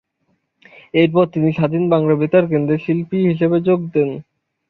এরপর তিনি স্বাধীন বাংলা বেতার কেন্দ্রে শিল্পী হিসেবে যোগ দেন।